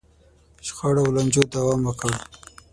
شخړو او لانجو دوام وکړ.